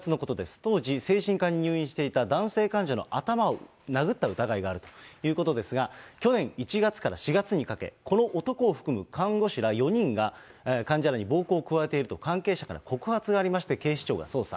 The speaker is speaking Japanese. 当時、精神科に入院していた男性患者の頭を殴った疑いがあるということですが、去年１月から４月にかけ、この男を含む、看護師ら４人が患者らに暴行を加えていると、関係者から告発がありまして、警視庁が捜査。